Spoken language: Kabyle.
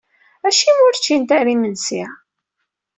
Acimi ur ččint ara imensi?